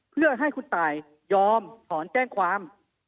เพื่อให้คุณตายยอมถอนแจ้งความ